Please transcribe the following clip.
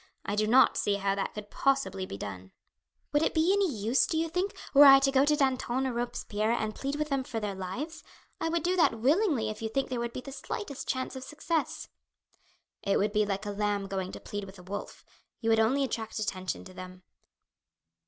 I do not see how that could possibly be done." "Would it be any use, do you think, were I to go to Danton or Robespierre and plead with them for their lives? I would do that willingly if you think there would be the slightest chance of success." "It would be like a lamb going to plead with a wolf. You would only attract attention to them."